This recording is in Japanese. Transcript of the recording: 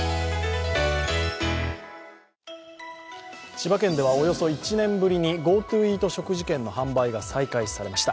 千葉県ではおよそ１年ぶりにＧｏＴｏイート食事券の販売が再開されました。